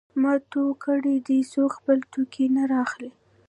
ما تو کړی دی؛ څوک خپل توکی نه رااخلي.